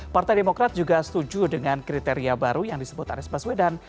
partai demokrat juga setuju dengan kriteria baru yang disebut anies baswedan